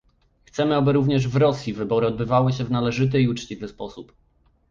Chcemy, aby również w Rosji wybory odbywały się w należyty i uczciwy sposób